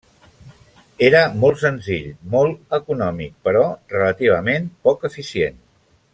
Era molt senzill, molt econòmic però relativament poc eficient.